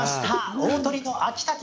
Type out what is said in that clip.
大トリの秋田県。